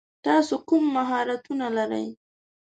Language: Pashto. تاسو کوم مهارتونه لری ؟